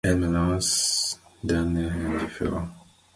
Elle me lance d'un air indifférent.